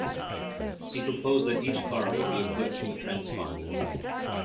He proposed that each car would be equipped with a transponder.